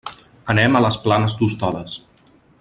Anem a les Planes d'Hostoles.